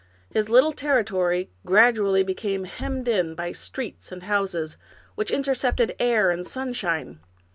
His little territory gradually became hemmed in by streets and houses, which intercepted air and sunshine.